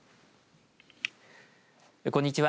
こんにちは。